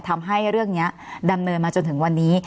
ทำให้เรื่องนี้ดำเนินมาจนถึงวันนี้